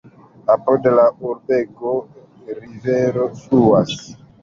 Apud la urbego rivero fluas.